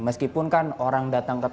meskipun kan orang datang ke